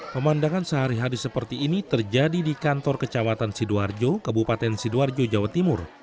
pemandangan sehari hari seperti ini terjadi di kantor kecamatan sidoarjo kabupaten sidoarjo jawa timur